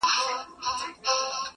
څه همت څه ارادې څه حوصلې سه.